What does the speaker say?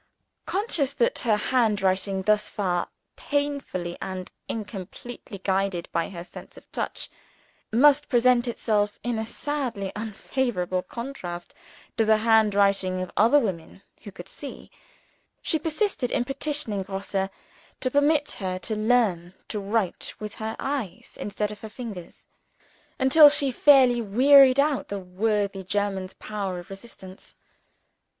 Conscious that her handwriting thus far, painfully and incompletely guided by her sense of touch must present itself in sadly unfavorable contrast to the handwriting of other women who could see, she persisted in petitioning Grosse to permit her to learn to "write with her eyes instead of her finger," until she fairly wearied out the worthy German's power of resistance.